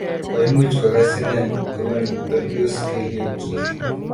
Koimuch kogas inee kopotandos kelyiek